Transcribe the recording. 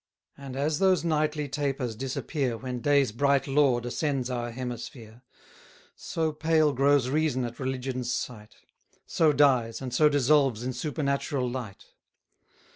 And as those nightly tapers disappear When day's bright lord ascends our hemisphere; So pale grows reason at religion's sight; 10 So dies, and so dissolves in supernatural light.